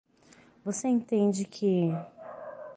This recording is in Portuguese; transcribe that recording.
Você entende que?